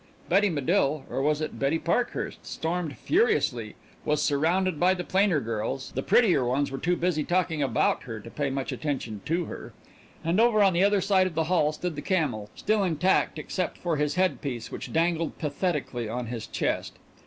Betty Medill or was it Betty Parkhurst? storming furiously, was surrounded by the plainer girls the prettier ones were too busy talking about her to pay much attention to her and over on the other side of the hall stood the camel, still intact except for his headpiece, which dangled pathetically on his chest.